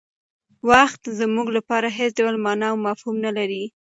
وخت زموږ لپاره هېڅ ډول مانا او مفهوم نه لري.